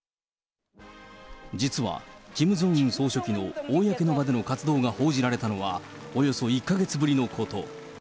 実はキム・ジョンウン総書記の公の場での活動が報じられたのは、およそ１か月ぶりのこと。